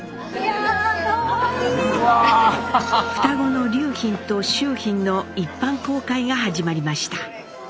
双子の隆浜と秋浜の一般公開が始まりました。